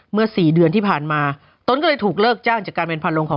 สี่เดือนที่ผ่านมาตนก็เลยถูกเลิกจ้างจากการเป็นพันลงของ